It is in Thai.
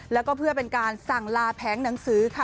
แล้วก็เพื่อเป็นการสั่งลาแผงหนังสือค่ะ